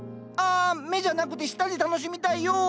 あ目じゃなくて舌で楽しみたいよ！